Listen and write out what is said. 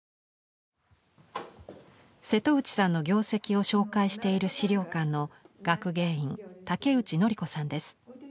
瀬戸内さんの業績を紹介している資料館の学芸員竹内紀子さんです。